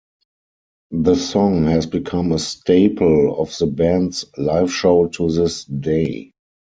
The song has become a staple of the band's live show to this day.